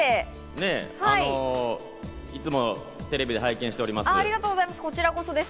いつもテレビで拝見しております。